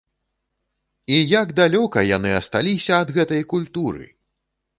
І як далёка яны асталіся ад гэтай культуры!